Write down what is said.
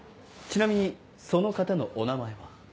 ちなみにその方のお名前は？